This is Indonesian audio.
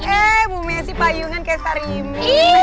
eh bu messi payungan kayak sarimi